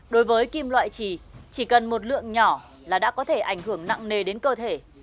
đối với kim loại trì chỉ cần một lượng nhỏ là đã có thể ảnh hưởng nặng nề đến cơ thể